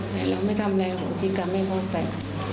แต่เราไม่ทำอะไรโหสิกรรมให้เขาไป